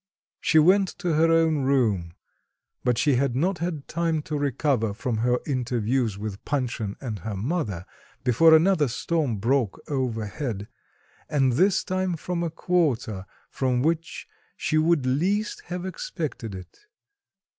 She went to her own room. But she had not had time to recover from her interviews with Panshin and her mother before another storm broke over head, and this time from a quarter from which she would least have expected it.